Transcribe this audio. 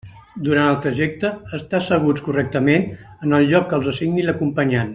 Durant el trajecte estar asseguts correctament en el lloc que els assigni l'acompanyant.